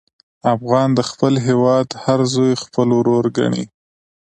افغان د خپل هېواد هر زوی خپل ورور ګڼي.